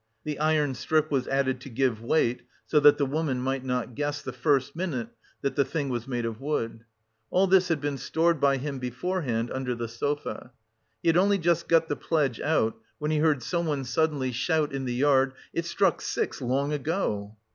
The iron strip was added to give weight, so that the woman might not guess the first minute that the "thing" was made of wood. All this had been stored by him beforehand under the sofa. He had only just got the pledge out when he heard someone suddenly about in the yard. "It struck six long ago."